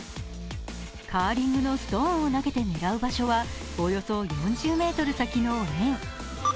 カーリングのストーンを投げて狙う場所はおよそ４０ｍ先の円。